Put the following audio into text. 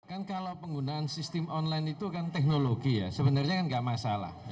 kan kalau penggunaan sistem online itu kan teknologi ya sebenarnya kan nggak masalah